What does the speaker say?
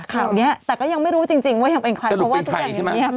ข่าวนี้แต่ก็ยังไม่รู้จริงว่ายังเป็นใครเพราะว่าทุกอย่างยังเงียบ